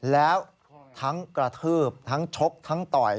แล้วทั้งกระทืบทั้งชกทั้งต่อย